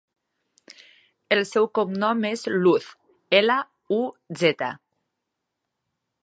El seu cognom és Luz: ela, u, zeta.